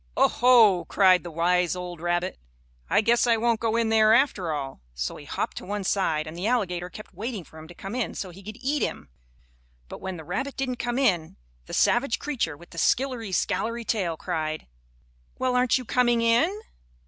"Oh, ho!" cried the wise old rabbit. "I guess I won't go in there after all," so he hopped to one side and the alligator kept waiting for him to come in so he could eat him, but when the rabbit didn't come in the savage creature with the skillery scallery tail cried: "Well, aren't you coming in?"